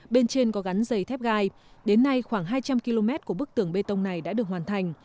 bên trên có gắn giày thép gai đến nay khoảng hai trăm linh km của bức tường bê tông này đã được hoàn thành